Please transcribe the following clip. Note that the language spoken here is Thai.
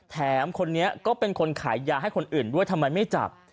แถมคนนี้ก็เป็นคนขายยาให้คนอื่นด้วยทำไมไม่จับ